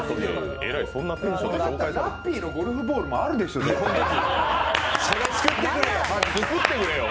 ラッピーのゴルフボールもあるでしょ、絶対。